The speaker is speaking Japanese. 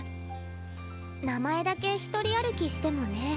名前だけ一人歩きしてもね。